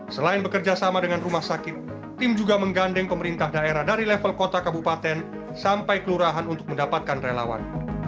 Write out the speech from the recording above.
selain bekerja sama dengan rumah sakit tim juga menggandeng pemerintah daerah dari level kota kabupaten sampai kelurahan untuk mendapatkan relawan